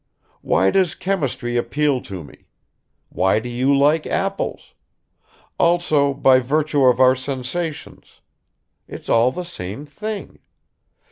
Why does chemistry appeal to me? Why do you like apples? also by virtue of our sensations. It's all the same thing.